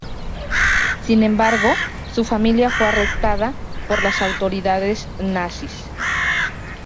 Sin embargo, su familia fue arrestada por las autoridades nazis.